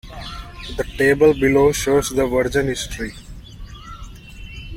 The table below shows the version history.